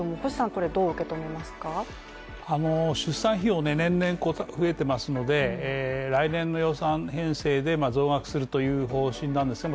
これどう受け止めますか出産費用、年々増えてますので来年の予算編成で増額するという方針なんですよ